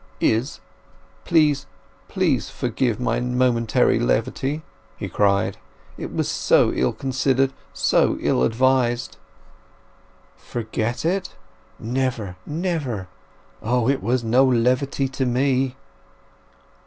"Izz—please, please forget my momentary levity!" he cried. "It was so ill considered, so ill advised!" "Forget it? Never, never! O, it was no levity to me!"